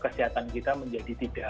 kesehatan kita menjadi tidak